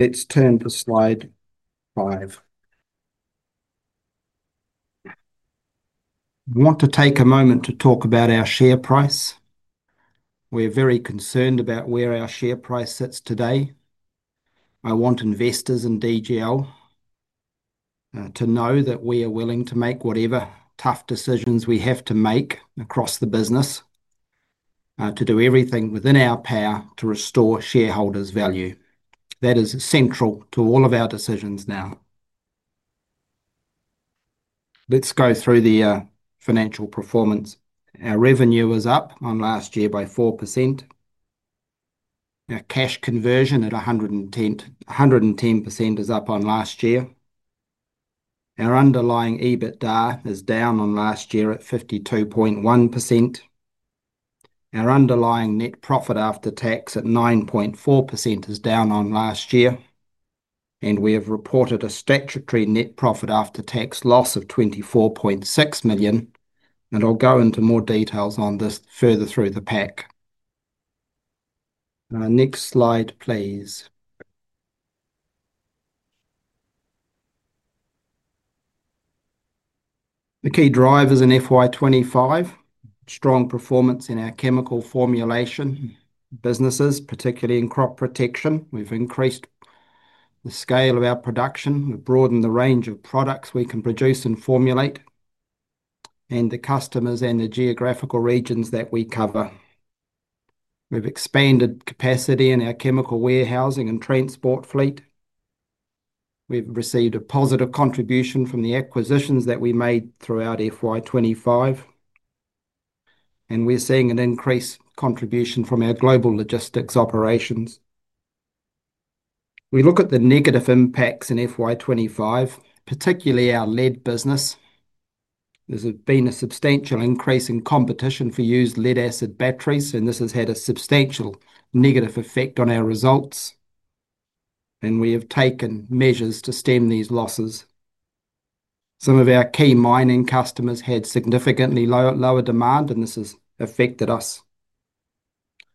Let's turn to slide five. I want to take a moment to talk about our share price. We're very concerned about where our share price sits today. I want investors in DGL Group Ltd to know that we are willing to make whatever tough decisions we have to make across the business, to do everything within our power to restore shareholders' value. That is central to all of our decisions now. Let's go through the financial performance. Our revenue was up on last year by 4%. Our cash conversion at 110% is up on last year. Our underlying EBITDA is down on last year at 52.1%. Our underlying net profit after tax at 9.4% is down on last year. We have reported a statutory net profit after tax loss of 24.6 million. I'll go into more details on this further through the pack. Next slide, please. The key drivers in FY 2025: strong performance in our chemical formulation businesses, particularly in crop protection. We've increased the scale of our production. We've broadened the range of products we can produce and formulate, and the customers and the geographical regions that we cover. We've expanded capacity in our chemical warehousing and transport fleet. We've received a positive contribution from the acquisitions that we made throughout FY 2025. We're seeing an increased contribution from our global logistics operations. We look at the negative impacts in FY 2025, particularly our lead business. There's been a substantial increase in competition for used lead-acid batteries, and this has had a substantial negative effect on our results. We have taken measures to stem these losses. Some of our key mining customers had significantly lower demand, and this has affected us.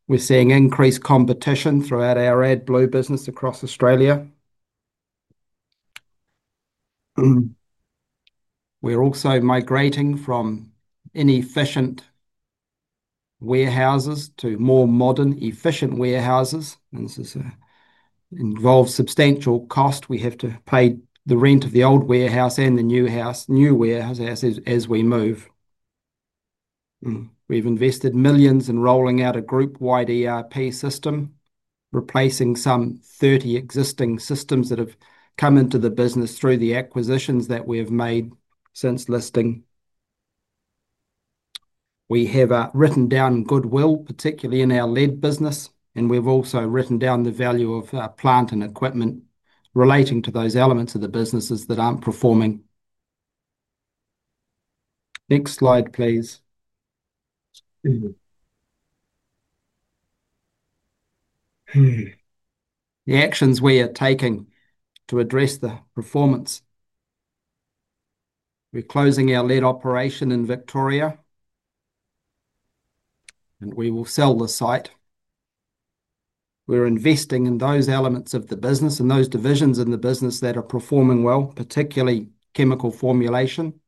We're seeing increased competition throughout our AdBlue business across Australia. We're also migrating from inefficient warehouses to more modern, efficient warehouses. This involves substantial cost. We have to pay the rent of the old warehouse and the new warehouse as we move. We've invested millions in rolling out a group-wide ERP system, replacing some 30 existing systems that have come into the business through the acquisitions that we have made since listing. We have written down goodwill, particularly in our lead business, and we've also written down the value of our plant and equipment relating to those elements of the businesses that aren't performing. Next slide, please. The actions we are taking to address the performance. We're closing our lead operation in Victoria, and we will sell the site. We're investing in those elements of the business and those divisions in the business that are performing well, particularly chemical formulation.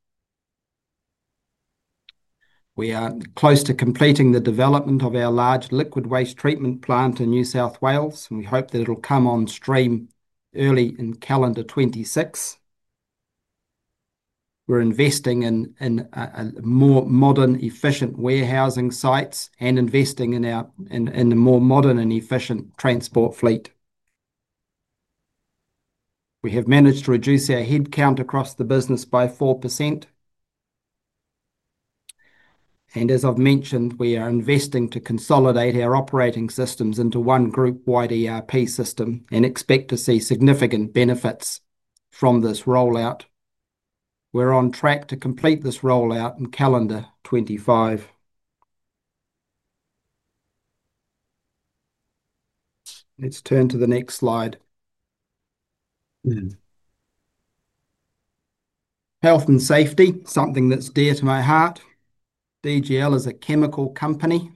We are close to completing the development of our large liquid waste treatment plant in New South Wales, and we hope that it'll come on stream early in calendar 2026. We're investing in more modern, efficient warehousing sites and investing in a more modern and efficient transport fleet. We have managed to reduce our headcount across the business by 4%. As I've mentioned, we are investing to consolidate our operating systems into one group-wide ERP system and expect to see significant benefits from this rollout. We're on track to complete this rollout in calendar 2025. Let's turn to the next slide. Health and safety, something that's dear to my heart. DGL is a chemical company.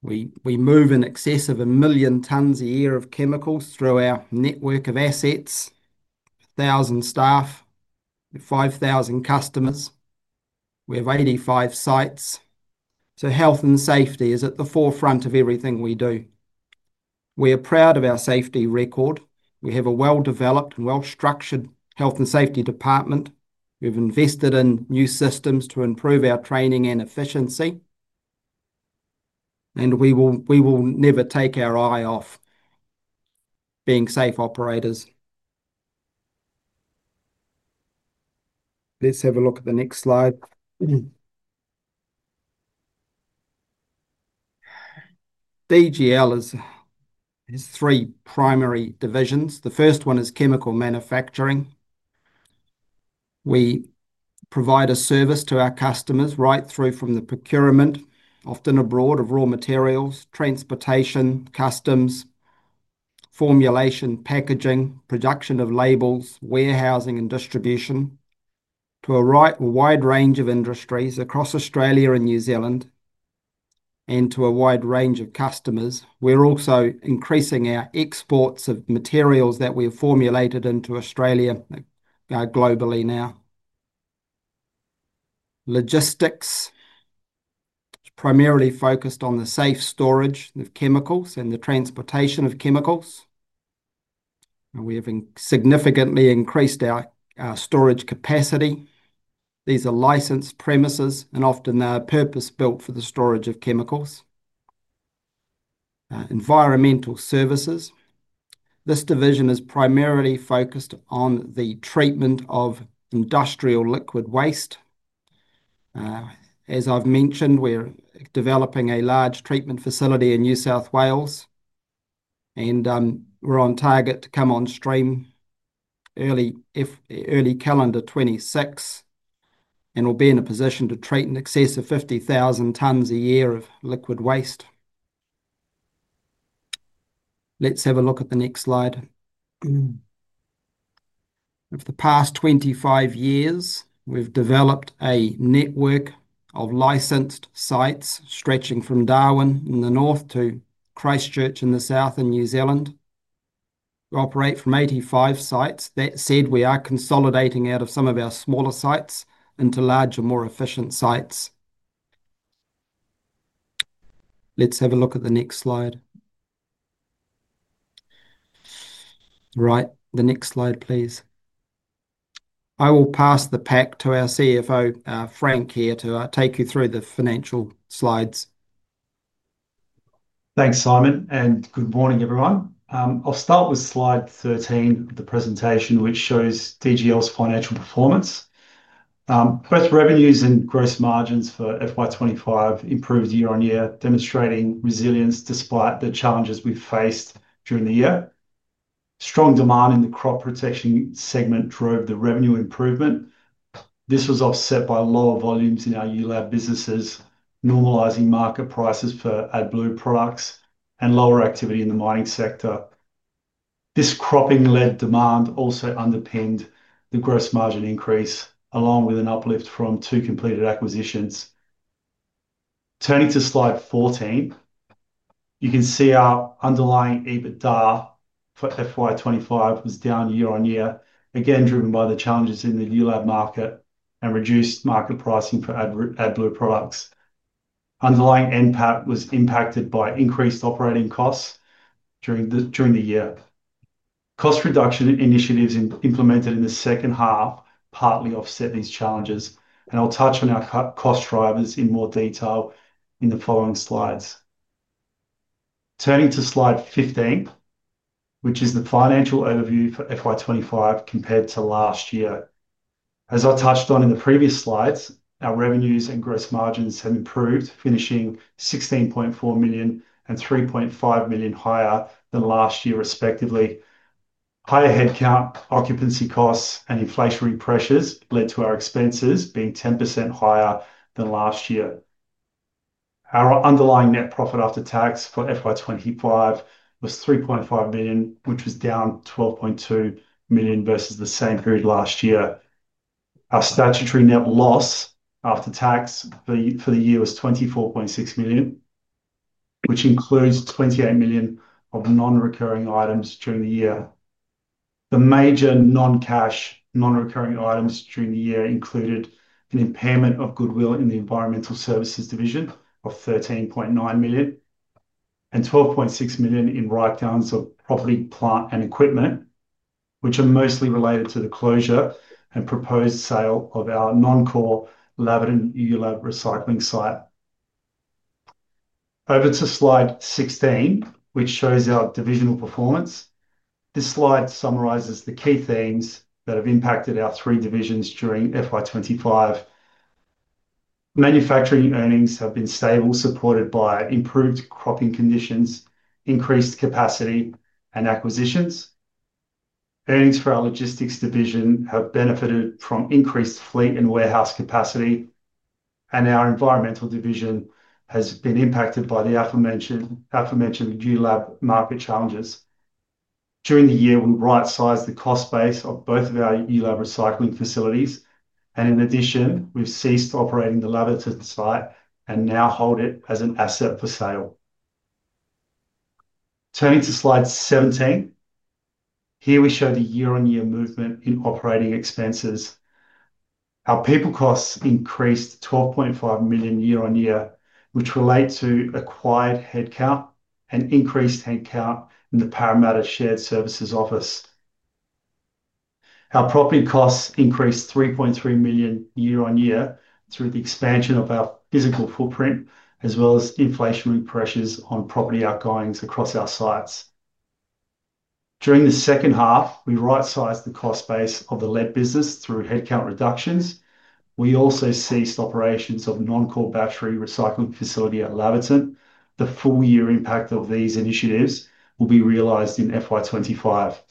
We move in excess of a million tons a year of chemicals through our network of assets, 1,000 staff, 5,000 customers. We have 85 sites. Health and safety is at the forefront of everything we do. We are proud of our safety record. We have a well-developed and well-structured health and safety department. We've invested in new systems to improve our training and efficiency. We will never take our eye off being safe operators. Let's have a look at the next slide. DGL has three primary divisions. The first one is chemical manufacturing. We provide a service to our customers right through from the procurement, often abroad, of raw materials, transportation, customs, formulation, packaging, production of labels, warehousing, and distribution to a wide range of industries across Australia and New Zealand and to a wide range of customers. We're also increasing our exports of materials that we've formulated into Australia globally now. Logistics, primarily focused on the safe storage of chemicals and the transportation of chemicals. We have significantly increased our storage capacity. These are licensed premises and often purpose-built for the storage of chemicals. Environmental services, this division is primarily focused on the treatment of industrial liquid waste. As I've mentioned, we're developing a large treatment facility in New South Wales, and we're on target to come on stream early calendar 2026, and we'll be in a position to treat in excess of 50,000 tons a year of liquid waste. Let's have a look at the next slide. Over the past 25 years, we've developed a network of licensed sites stretching from Darwin in the north to Christchurch in the south in New Zealand. We operate from 85 sites. That said, we are consolidating out of some of our smaller sites into larger, more efficient sites. Let's have a look at the next slide. Right, the next slide, please. I will pass the pack to our CFO, Frank Izzo, here to take you through the financial slides. Thanks, Simon, and good morning, everyone. I'll start with slide 13 of the presentation, which shows DGL's financial performance. Both revenues and gross margins for FY 2025 improved year on year, demonstrating resilience despite the challenges we've faced during the year. Strong demand in the crop protection segment drove the revenue improvement. This was offset by lower volumes in our ULAB businesses, normalizing market prices for AdBlue products, and lower activity in the mining sector. This cropping lead demand also underpinned the gross margin increase, along with an uplift from two completed acquisitions. Turning to slide 14, you can see our underlying EBITDA for FY 2025 was down year on year, again driven by the challenges in the ULAB market and reduced market pricing for AdBlue products. Underlying end was impacted by increased operating costs during the year. Cost reduction initiatives implemented in the second half partly offset these challenges, and I'll touch on our cost drivers in more detail in the following slides. Turning to slide 15, which is the financial overview for FY 2025 compared to last year. As I touched on in the previous slides, our revenues and gross margins have improved, finishing 16.4 million and 3.5 million higher than last year, respectively. Higher headcount, occupancy costs, and inflationary pressures led to our expenses being 10% higher than last year. Our underlying net profit after tax for FY 2025 was 3.5 million, which was down 12.2 million versus the same period last year. Our statutory net loss after tax for the year was 24.6 million, which includes 28 million of non-recurring items during the year. The major non-cash, non-recurring items during the year included an impairment of goodwill in the environmental services division of 13.9 million and 12.6 million in write-downs of property, plant, and equipment, which are mostly related to the closure and proposed sale of our non-core Labyrinth ULAB recycling site. Over to slide 16, which shows our divisional performance. This slide summarizes the key themes that have impacted our three divisions during FY 2025. Manufacturing earnings have been stable, supported by improved cropping conditions, increased capacity, and acquisitions. Earnings for our logistics division have benefited from increased fleet and warehouse capacity, and our environmental division has been impacted by the aforementioned ULAB market challenges. During the year, we right-sized the cost base of both of our ULAB recycling facilities, and in addition, we've ceased operating the Labyrinth site and now hold it as an asset for sale. Turning to slide 17, here we show the year-on-year movement in operating expenses. Our people costs increased 12.5 million year on year, which relates to acquired headcount and increased headcount in the Parramatta Shared Services office. Our property costs increased 3.3 million year on year through the expansion of our physical footprint, as well as inflationary pressures on property outgoings across our sites. During the second half, we right-sized the cost base of the lead business through headcount reductions. We also ceased operations of non-core battery recycling facility at Labyrinth. The full year impact of these initiatives will be realized in FY 2025.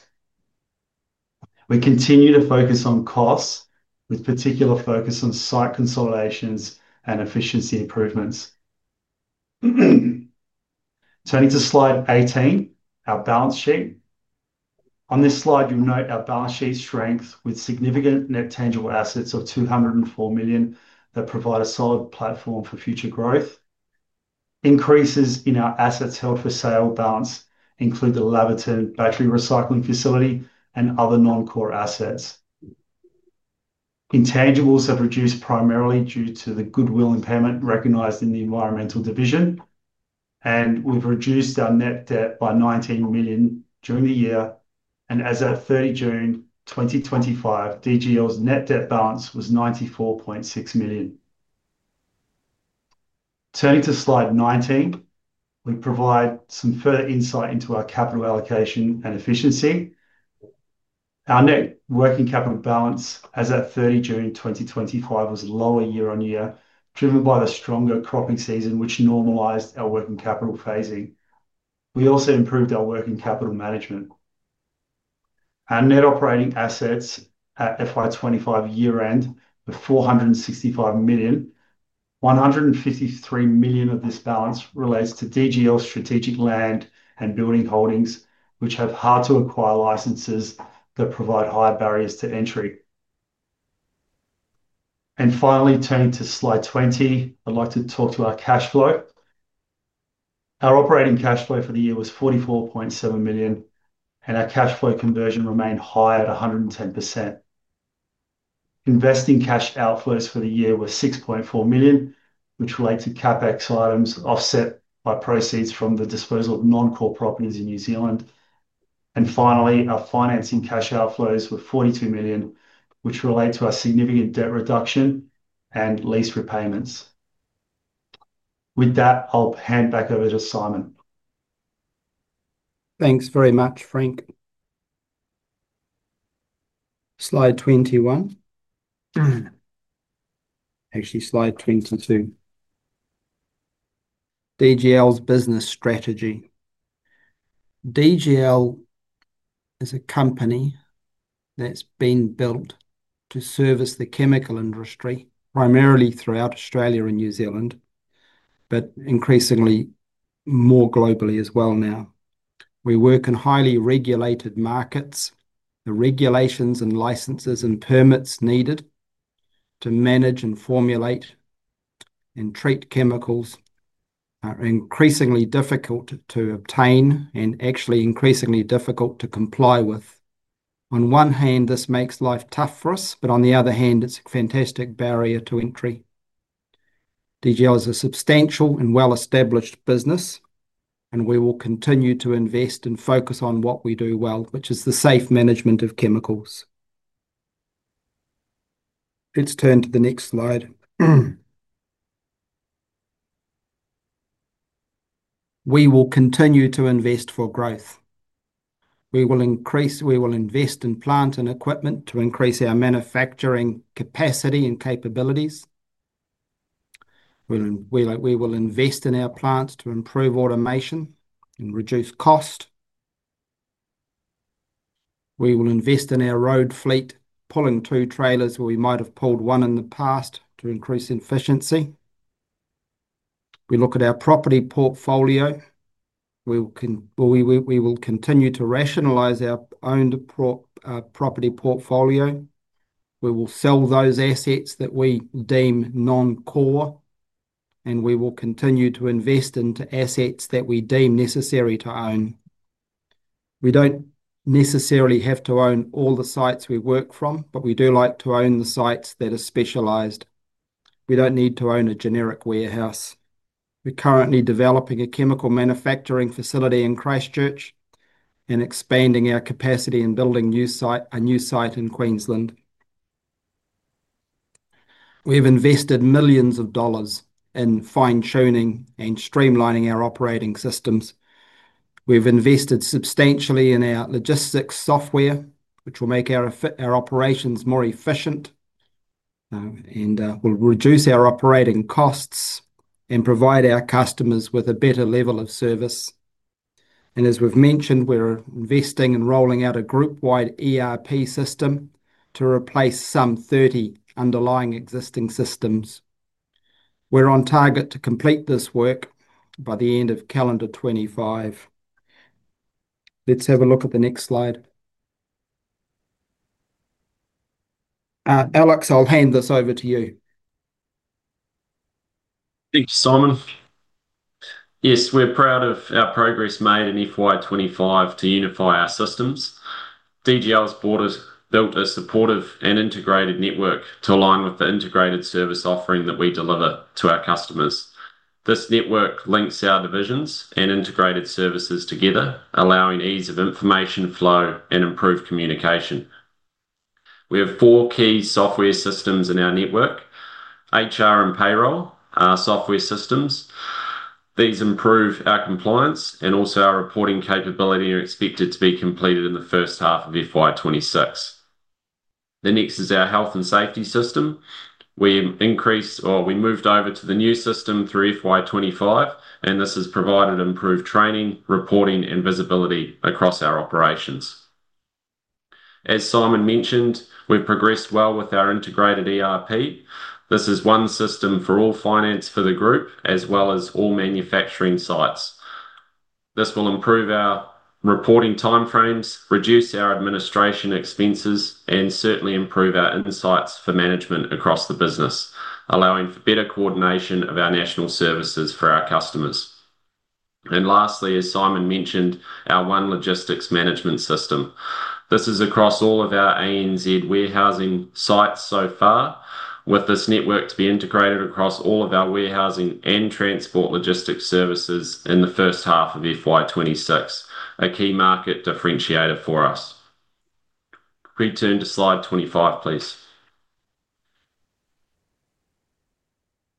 We continue to focus on costs, with particular focus on site consolidations and efficiency improvements. Turning to slide 18, our balance sheet. On this slide, we note our balance sheet strength with significant net tangible assets of 204 million that provide a solid platform for future growth. Increases in our assets held for sale balance include the Labyrinth battery recycling facility and other non-core assets. Intangibles have reduced primarily due to the goodwill impairment recognized in the environmental division, and we've reduced our net debt by 19 million during the year. As of 30 June 2025, DGL's net debt balance was 94.6 million. Turning to slide 19, we provide some further insight into our capital allocation and efficiency. Our net working capital balance as of 30 June 2025 was lower year on year, driven by the stronger cropping season, which normalized our working capital phasing. We also improved our working capital management. Our net operating assets at FY 2025 year-end were 465 million. 153 million of this balance relates to DGL's strategic land and building holdings, which have hard-to-acquire licenses that provide high barriers to entry. Finally, turning to slide 20, I'd like to talk to our cash flow. Our operating cash flow for the year was 44.7 million, and our cash flow conversion remained high at 110%. Investing cash outflows for the year were 6.4 million, which relate to CapEx items offset by proceeds from the disposal of non-core properties in New Zealand. Finally, our financing cash outflows were 42 million, which relate to our significant debt reduction and lease repayments. With that, I'll hand back over to Simon. Thanks very much, Frank. Slide 21. Actually, slide 22. DGL's business strategy. DGL is a company that's been built to service the chemical industry, primarily throughout Australia and New Zealand, but increasingly more globally as well now. We work in highly regulated markets. The regulations and licenses and permits needed to manage and formulate and treat chemicals are increasingly difficult to obtain and actually increasingly difficult to comply with. On one hand, this makes life tough for us, but on the other hand, it's a fantastic barrier to entry. DGL is a substantial and well-established business, and we will continue to invest and focus on what we do well, which is the safe management of chemicals. Let's turn to the next slide. We will continue to invest for growth. We will invest in plant and equipment to increase our manufacturing capacity and capabilities. We will invest in our plants to improve automation and reduce cost. We will invest in our road fleet, pulling two trailers where we might have pulled one in the past to increase efficiency. We look at our property portfolio. We will continue to rationalize our own property portfolio. We will sell those assets that we deem non-core, and we will continue to invest into assets that we deem necessary to own. We don't necessarily have to own all the sites we work from, but we do like to own the sites that are specialized. We don't need to own a generic warehouse. We're currently developing a chemical manufacturing facility in Christchurch and expanding our capacity and building a new site in Queensland. We have invested millions of dollars in fine-tuning and streamlining our operating systems. We've invested substantially in our logistics software, which will make our operations more efficient and will reduce our operating costs and provide our customers with a better level of service. As we've mentioned, we're investing and rolling out a group-wide ERP system to replace some 30 underlying existing systems. We're on target to complete this work by the end of calendar 2025. Let's have a look at the next slide. Alex, I'll hand this over to you. Thank you, Simon. Yes, we're proud of our progress made in FY 2025 to unify our systems. DGL has built a supportive and integrated network to align with the integrated service offering that we deliver to our customers. This network links our divisions and integrated services together, allowing ease of information flow and improved communication. We have four key software systems in our network: HR and payroll are software systems. These improve our compliance and also our reporting capability are expected to be completed in the first half of FY 2026. The next is our health and safety system. We increased or we moved over to the new system through FY 2025, and this has provided improved training, reporting, and visibility across our operations. As Simon mentioned, we've progressed well with our integrated ERP system. This is one system for all finance for the group, as well as all manufacturing sites. This will improve our reporting timeframes, reduce our administration expenses, and certainly improve our insights for management across the business, allowing for better coordination of our national services for our customers. Lastly, as Simon mentioned, our one logistics management system. This is across all of our ANZ warehousing sites so far, with this network to be integrated across all of our warehousing and transport logistics services in the first half of FY 2026, a key market differentiator for us. Please turn to slide 25, please.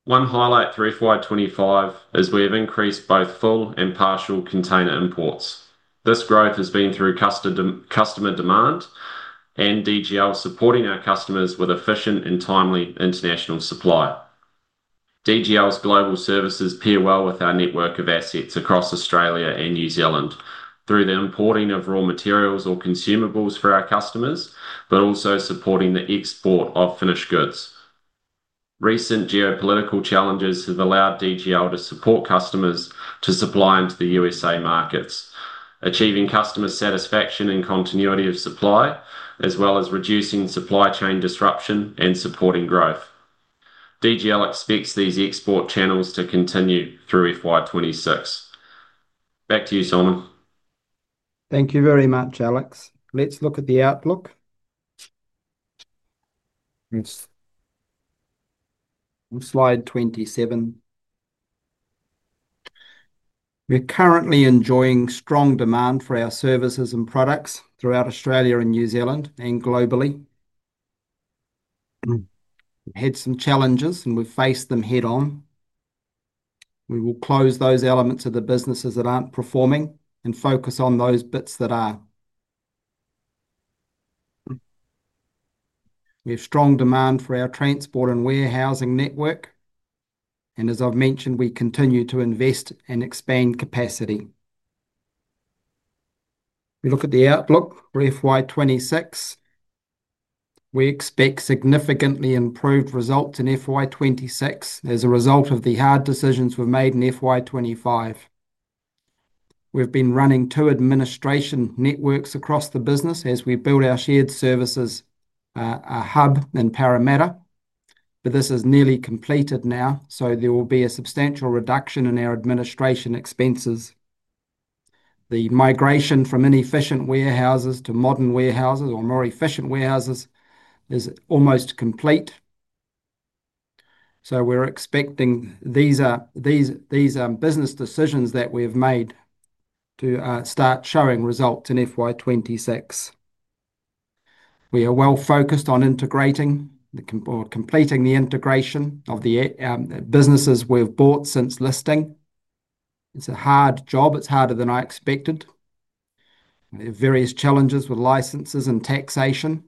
One highlight through FY 2025 is we have increased both full and partial container imports. This growth has been through customer demand and DGL supporting our customers with efficient and timely international supply. DGL's global services pair well with our network of assets across Australia and New Zealand through the importing of raw materials or consumables for our customers, but also supporting the export of finished goods. Recent geopolitical challenges have allowed DGL to support customers to supply into the U.S. markets, achieving customer satisfaction and continuity of supply, as well as reducing supply chain disruption and supporting growth. DGL expects these export channels to continue through FY 2026. Back to you, Simon. Thank you very much, Alex. Let's look at the outlook. Yes, on slide 27. We're currently enjoying strong demand for our services and products throughout Australia and New Zealand and globally. We've had some challenges, and we've faced them head-on. We will close those elements of the businesses that aren't performing and focus on those bits that are. We have strong demand for our transport and warehousing network, and as I've mentioned, we continue to invest and expand capacity. We look at the outlook for FY 2026. We expect significantly improved results in FY 2026 as a result of the hard decisions we've made in FY 2025. We've been running two administration networks across the business as we build our shared services, our hub in Parramatta, but this is nearly completed now, so there will be a substantial reduction in our administration expenses. The migration from inefficient warehouses to modern warehouses or more efficient warehouses is almost complete. We're expecting these business decisions that we have made to start showing results in FY 2026. We are well focused on integrating or completing the integration of the businesses we've bought since listing. It's a hard job. It's harder than I expected. There are various challenges with licenses and taxation,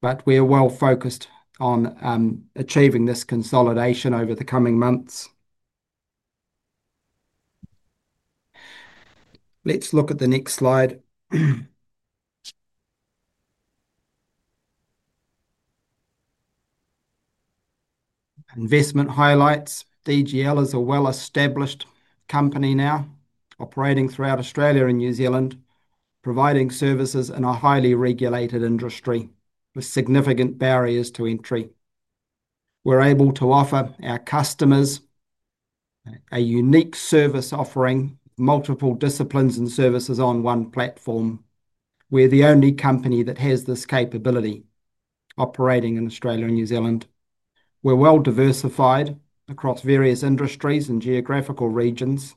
but we are well focused on achieving this consolidation over the coming months. Let's look at the next slide. Investment highlights. DGL Group Ltd is a well-established company now operating throughout Australia and New Zealand, providing services in a highly regulated industry with significant barriers to entry. We're able to offer our customers a unique service offering, multiple disciplines and services on one platform. We're the only company that has this capability operating in Australia and New Zealand. We're well diversified across various industries and geographical regions.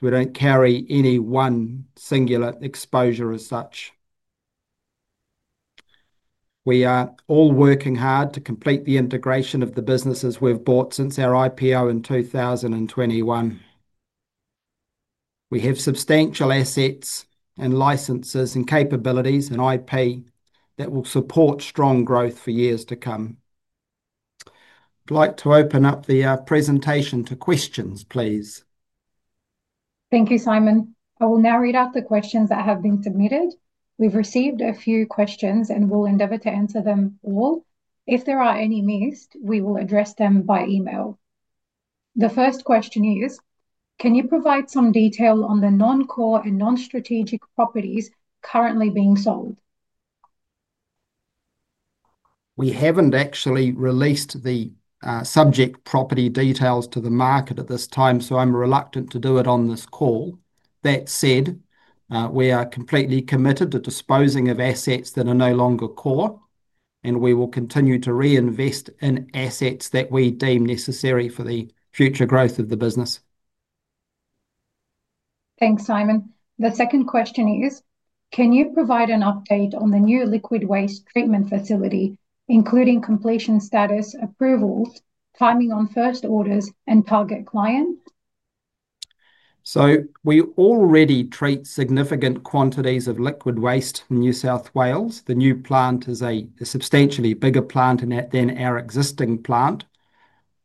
We don't carry any one singular exposure as such. We are all working hard to complete the integration of the businesses we've bought since our IPO in 2021. We have substantial assets and licenses and capabilities and IP that will support strong growth for years to come. I'd like to open up the presentation to questions, please. Thank you, Simon. I will now read out the questions that have been submitted. We've received a few questions and will endeavor to answer them all. If there are any missed, we will address them by email. The first question is, can you provide some detail on the non-core and non-strategic properties currently being sold? We haven't actually released the subject property details to the market at this time, so I'm reluctant to do it on this call. That said, we are completely committed to disposing of assets that are no longer core, and we will continue to reinvest in assets that we deem necessary for the future growth of the business. Thanks, Simon. The second question is, can you provide an update on the new liquid waste treatment facility, including completion status, approvals, timing on first orders, and target clients? We already treat significant quantities of liquid waste in New South Wales. The new plant is a substantially bigger plant than our existing plant.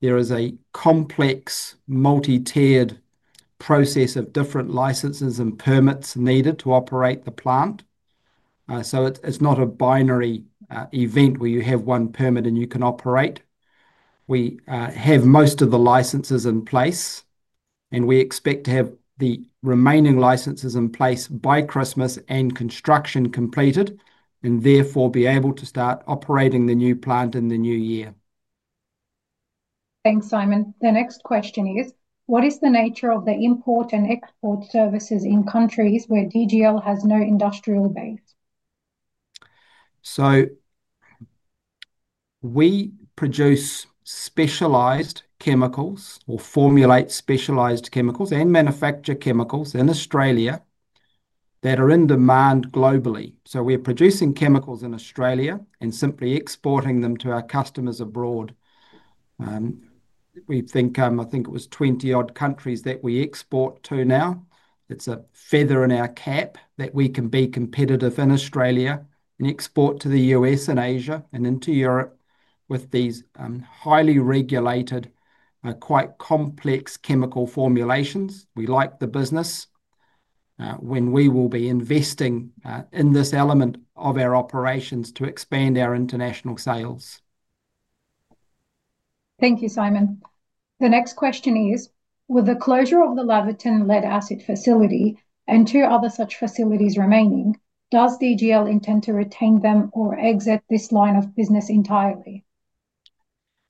There is a complex, multi-tiered process of different licenses and permits needed to operate the plant. It's not a binary event where you have one permit and you can operate. We have most of the licenses in place, and we expect to have the remaining licenses in place by Christmas and construction completed, and therefore be able to start operating the new plant in the new year. Thanks, Simon. The next question is, what is the nature of the import and export services in countries where DGL has no industrial base? We produce specialized chemicals or formulate specialized chemicals and manufacture chemicals in Australia that are in demand globally. We're producing chemicals in Australia and simply exporting them to our customers abroad. We think, I think it was 20-odd countries that we export to now. It's a feather in our cap that we can be competitive in Australia and export to the U.S. and Asia and into Europe with these highly regulated, quite complex chemical formulations. We like the business when we will be investing in this element of our operations to expand our international sales. Thank you, Simon. The next question is, with the closure of the Labyrinth lead-acid battery recycling facility and two other such facilities remaining, does DGL intend to retain them or exit this line of business entirely?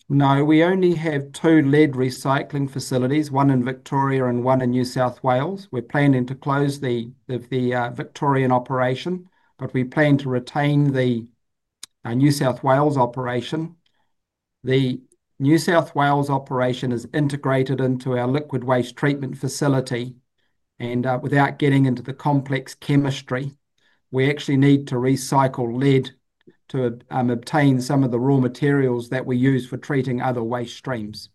No, we only have two lead recycling facilities, one in Victoria and one in New South Wales. We're planning to close the Victorian operation, but we plan to retain the New South Wales operation. The New South Wales operation is integrated into our liquid waste treatment facility, and without getting into the complex chemistry, we actually need to recycle lead to obtain some of the raw materials that we use for treating other waste streams.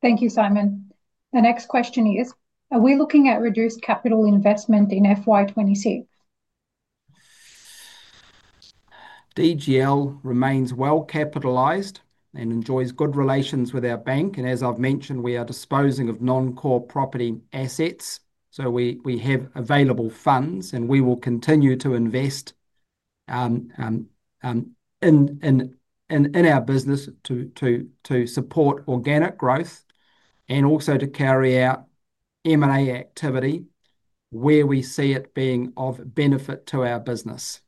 Thank you, Simon. The next question is, are we looking at reduced capital investment in FY 2026? DGL remains well capitalized and enjoys good relations with our bank, and as I've mentioned, we are disposing of non-core property assets, so we have available funds, and we will continue to invest in our business to support organic growth and also to carry out M&A activity where we see it being of benefit to our business.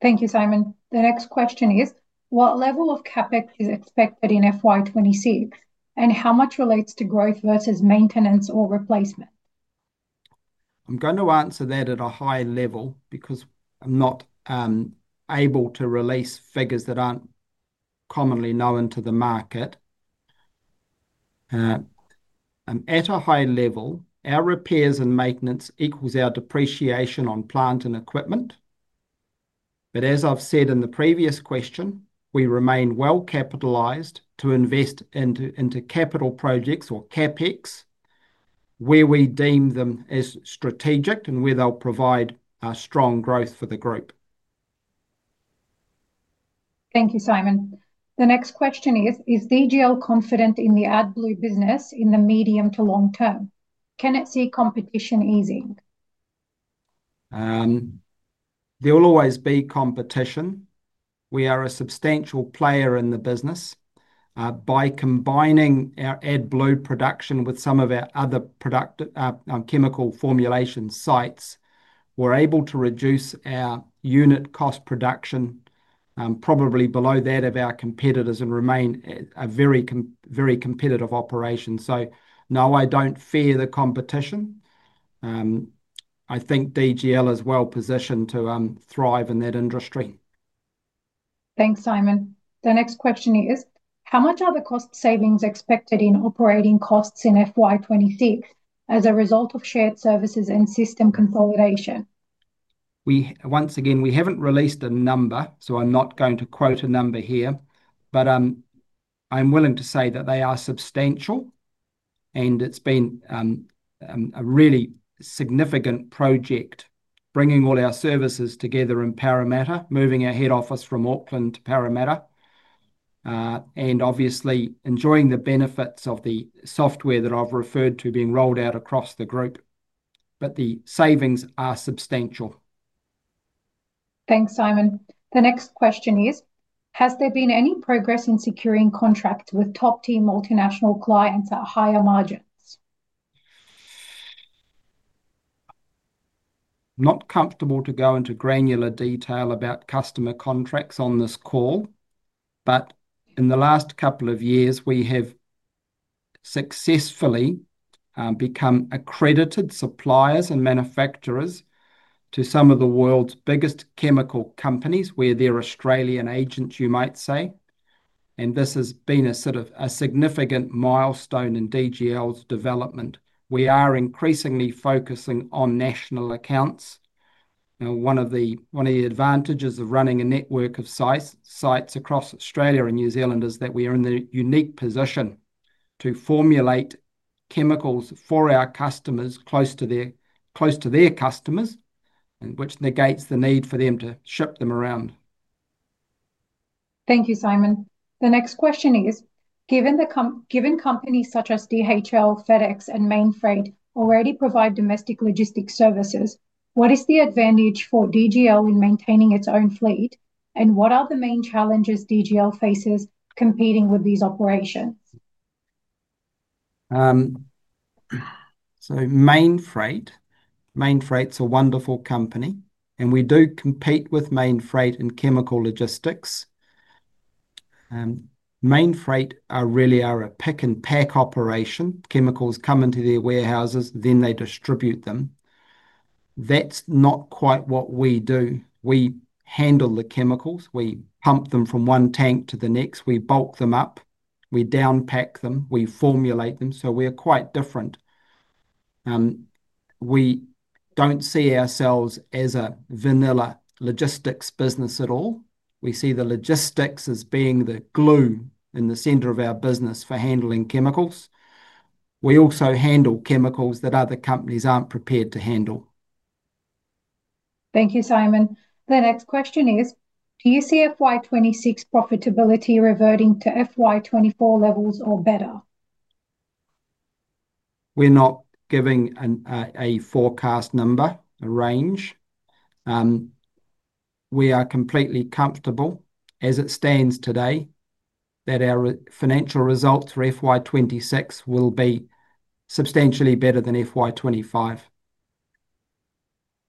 Thank you, Simon. The next question is, what level of CapEx is expected in FY 2026, and how much relates to growth versus maintenance or replacement? I'm going to answer that at a high level because I'm not able to release figures that aren't commonly known to the market. At a high level, our repairs and maintenance equal our depreciation on plant and equipment, but as I've said in the previous question, we remain well capitalized to invest into capital projects or CapEx where we deem them as strategic and where they'll provide strong growth for the group. Thank you, Simon. The next question is, is DGL confident in the AdBlue business in the medium to long term? Can it see competition easing? There will always be competition. We are a substantial player in the business. By combining our AdBlue production with some of our other chemical formulation sites, we're able to reduce our unit cost production probably below that of our competitors and remain a very, very competitive operation. No, I don't fear the competition. I think DGL is well positioned to thrive in that industry. Thanks, Simon. The next question is, how much are the cost savings expected in operating costs in FY 2026 as a result of shared services and system consolidation? Once again, we haven't released a number, so I'm not going to quote a number here. I'm willing to say that they are substantial, and it's been a really significant project bringing all our services together in Parramatta, moving our head office from Auckland to Parramatta, and obviously enjoying the benefits of the software that I've referred to being rolled out across the group. The savings are substantial. Thanks, Simon. The next question is, has there been any progress in securing contracts with top-tier multinational clients at higher margins? Not comfortable to go into granular detail about customer contracts on this call, but in the last couple of years, we have successfully become accredited suppliers and manufacturers to some of the world's biggest chemical companies. We're their Australian agent, you might say, and this has been a sort of a significant milestone in DGL's development. We are increasingly focusing on national accounts. One of the advantages of running a network of sites across Australia and New Zealand is that we are in the unique position to formulate chemicals for our customers close to their customers, which negates the need for them to ship them around. Thank you, Simon. The next question is, given companies such as DHL, FedEx, and Mainfreight already provide domestic logistics services, what is the advantage for DGL in maintaining its own fleet, and what are the main challenges DGL faces competing with these operations? Mainfreight is a wonderful company, and we do compete with Mainfreight in chemical logistics. Mainfreight really is a pick and pack operation. Chemicals come into their warehouses, then they distribute them. That's not quite what we do. We handle the chemicals. We pump them from one tank to the next. We bulk them up. We downpack them. We formulate them. We're quite different. We don't see ourselves as a vanilla logistics business at all. We see the logistics as being the glue in the center of our business for handling chemicals. We also handle chemicals that other companies aren't prepared to handle. Thank you, Simon. The next question is, do you see FY 2026 profitability reverting to FY 2024 levels or better? We're not giving a forecast number, a range. We are completely comfortable, as it stands today, that our financial results for FY 2026 will be substantially better than FY 2025.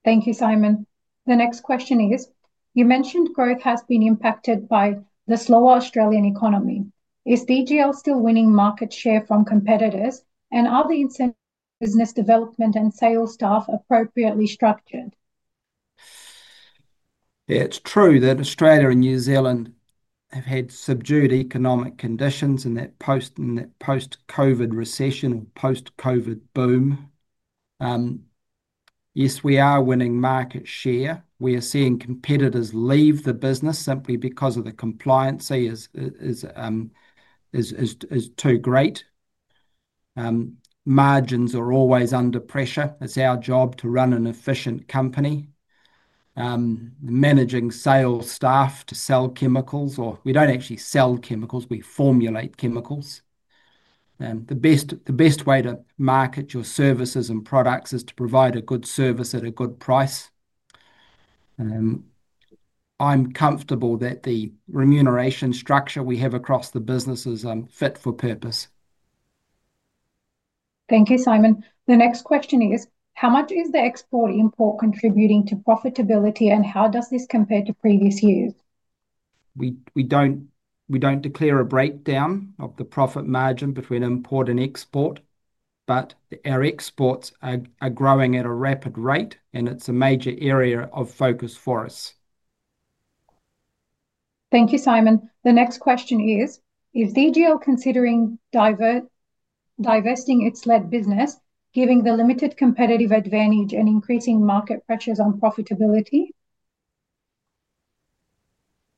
Thank you, Simon. The next question is, you mentioned growth has been impacted by the slower Australian economy. Is DGL still winning market share from competitors, and are the incentives for business development and sales staff appropriately structured? It's true that Australia and New Zealand have had subdued economic conditions in that post-COVID recession or post-COVID boom. Yes, we are winning market share. We are seeing competitors leave the business simply because the compliancy is too great. Margins are always under pressure. It's our job to run an efficient company, managing sales staff to sell chemicals, or we don't actually sell chemicals. We formulate chemicals. The best way to market your services and products is to provide a good service at a good price. I'm comfortable that the remuneration structure we have across the businesses is fit for purpose. Thank you, Simon. The next question is, how much is the export-import contributing to profitability, and how does this compare to previous years? We don't declare a breakdown of the profit margin between import and export, but our exports are growing at a rapid rate, and it's a major area of focus for us. Thank you, Simon. The next question is, is DGL considering divesting its lead business, given the limited competitive advantage and increasing market pressures on profitability?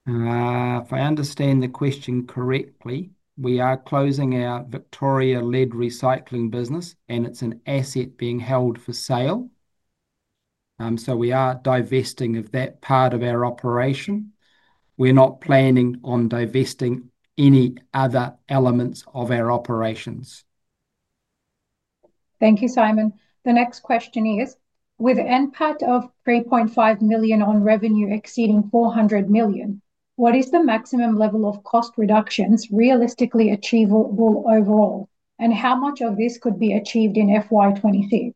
If I understand the question correctly, we are closing our Victoria lead-acid battery recycling business, and it's an asset being held for sale. We are divesting of that part of our operation. We're not planning on divesting any other elements of our operations. Thank you, Simon. The next question is, with an impact of 3.5 million on revenue exceeding 400 million, what is the maximum level of cost reductions realistically achievable overall, and how much of this could be achieved in FY 2026?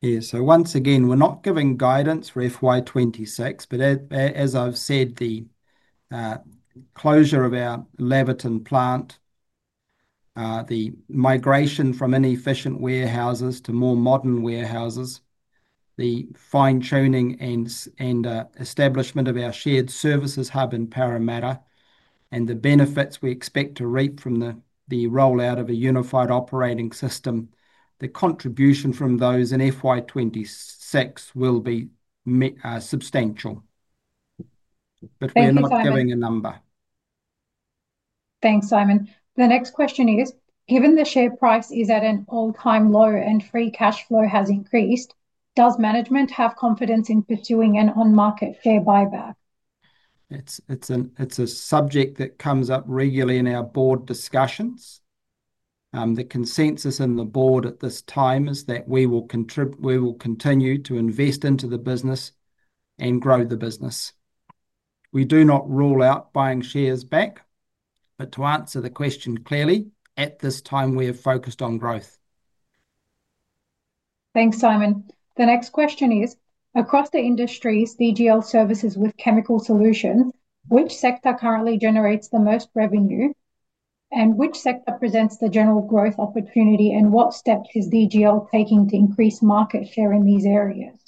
Yeah, so once again, we're not giving guidance for FY 2026, but as I've said, the closure of our Labyrinth plant, the migration from inefficient warehouses to more modern warehouses, the fine-tuning and establishment of our shared services hub in Parramatta, and the benefits we expect to reap from the rollout of a unified operating system, the contribution from those in FY 2026 will be substantial. We're not giving a number. Thanks, Simon. The next question is, given the share price is at an all-time low and free cash flow has increased, does management have confidence in pursuing an on-market share buyback? It's a subject that comes up regularly in our board discussions. The consensus in the board at this time is that we will continue to invest into the business and grow the business. We do not rule out buying shares back, but to answer the question clearly, at this time we have focused on growth. Thanks, Simon. The next question is, across the industries DGL services with chemical solutions, which sector currently generates the most revenue, and which sector presents the general growth opportunity, and what steps is DGL taking to increase market share in these areas?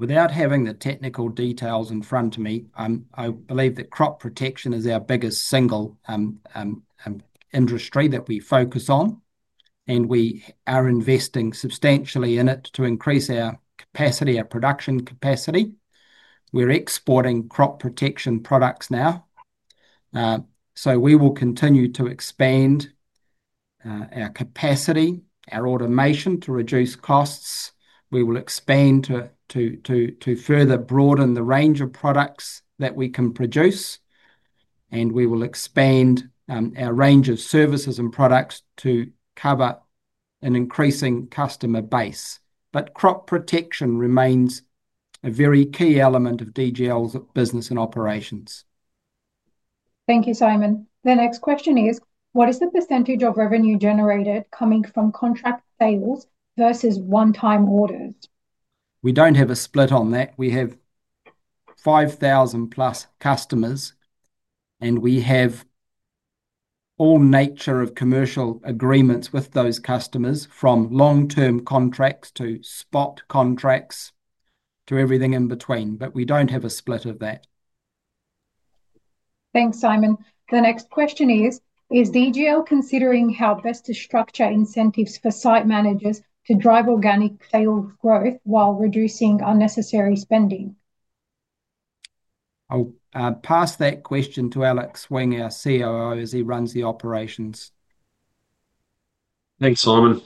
Without having the technical details in front of me, I believe that crop protection is our biggest single industry that we focus on, and we are investing substantially in it to increase our capacity, our production capacity. We're exporting crop protection products now. We will continue to expand our capacity, our automation to reduce costs. We will expand to further broaden the range of products that we can produce, and we will expand our range of services and products to cover an increasing customer base. Crop protection remains a very key element of DGL's business and operations. Thank you, Simon. The next question is, what is the percentage of revenue generated coming from contract sales versus one-time orders? We don't have a split on that. We have 5,000+ customers, and we have all nature of commercial agreements with those customers, from long-term contracts to spot contracts to everything in between, but we don't have a split of that. Thanks, Simon. The next question is, is DGL considering how best to structure incentives for site managers to drive organic sales growth while reducing unnecessary spending? I'll pass that question to Alex Wing, our Chief Operating Officer, as he runs the operations. Thanks, Simon.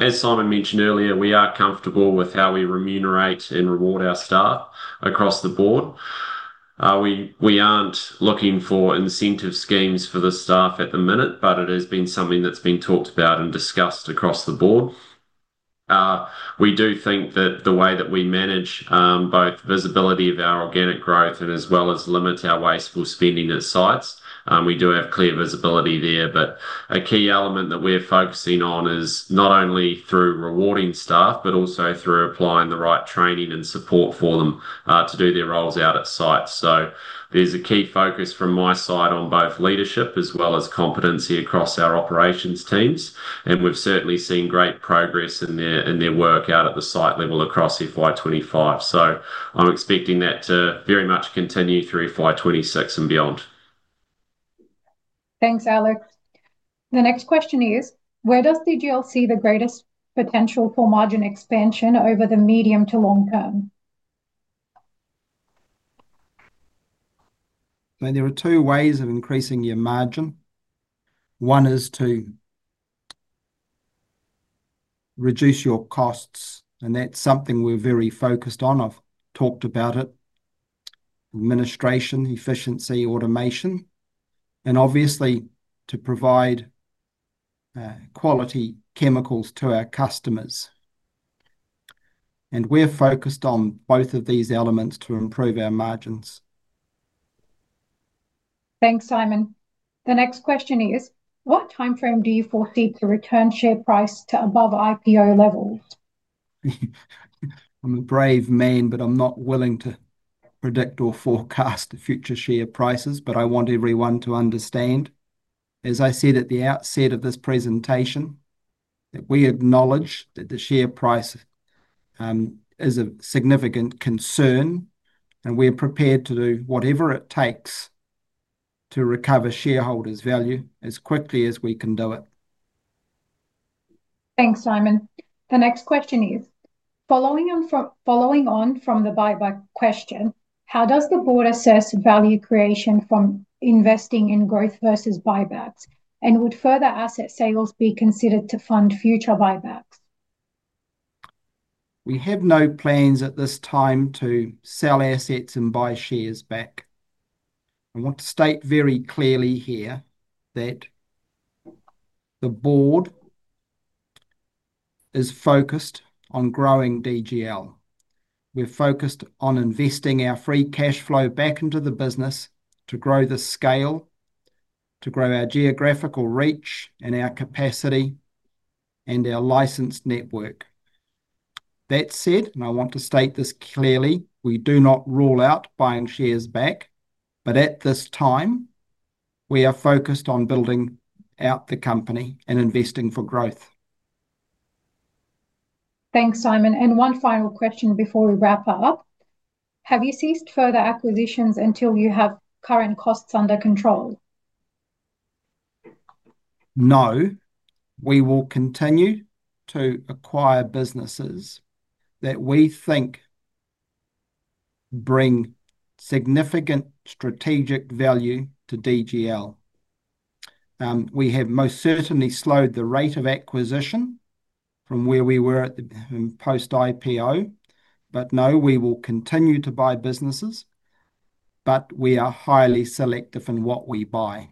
As Simon mentioned earlier, we are comfortable with how we remunerate and reward our staff across the board. We aren't looking for incentive schemes for the staff at the minute, but it has been something that's been talked about and discussed across the board. We do think that the way that we manage both visibility of our organic growth as well as limit our wasteful spending at sites, we do have clear visibility there. A key element that we're focusing on is not only through rewarding staff, but also through applying the right training and support for them to do their roles out at sites. There's a key focus from my side on both leadership as well as competency across our operations teams. We've certainly seen great progress in their work out at the site level across FY 2025. I'm expecting that to very much continue through FY 2026 and beyond. Thanks, Alex. The next question is, where does DGL see the greatest potential for margin expansion over the medium to long term? There are two ways of increasing your margin. One is to reduce your costs, and that's something we're very focused on. I've talked about it: administration, efficiency, automation, and obviously to provide quality chemicals to our customers. We're focused on both of these elements to improve our margins. Thanks, Simon. The next question is, what timeframe do you foresee to return share price to above IPO levels? I'm a brave man, but I'm not willing to predict or forecast future share prices. I want everyone to understand, as I said at the outset of this presentation, that we acknowledge that the share price is a significant concern, and we're prepared to do whatever it takes to recover shareholders' value as quickly as we can do it. Thanks, Simon. The next question is, following on from the buyback question, how does the board assess value creation from investing in growth versus buybacks, and would further asset sales be considered to fund future buybacks? We have no plans at this time to sell assets and buy shares back. I want to state very clearly here that the Board is focused on growing DGL Group Ltd. We're focused on investing our free cash flow back into the business to grow the scale, to grow our geographical reach and our capacity and our licensed network. That said, I want to state this clearly, we do not rule out buying shares back, but at this time, we are focused on building out the company and investing for growth. Thanks, Simon. One final question before we wrap up. Have you ceased further acquisitions until you have current costs under control? No, we will continue to acquire businesses that we think bring significant strategic value to DGL. We have most certainly slowed the rate of acquisition from where we were post-IPO, but no, we will continue to buy businesses, and we are highly selective in what we buy.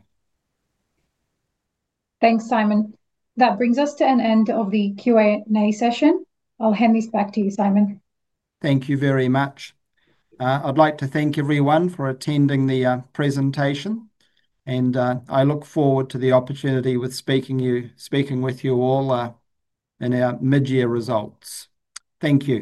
Thanks, Simon. That brings us to an end of the Q&A session. I'll hand this back to you, Simon. Thank you very much. I'd like to thank everyone for attending the presentation, and I look forward to the opportunity of speaking with you all in our mid-year results. Thank you.